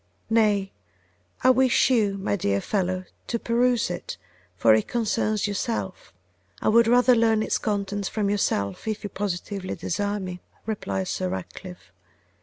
'Nay, I wish you, my dear friend, to peruse it, for it concerns yourself.' 'I would rather learn its contents from yourself, if you positively desire me,' replied Sir Ratcliffe.